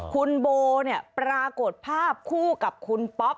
คุณโบเนี่ยปรากฏภาพคู่กับคุณป๊อป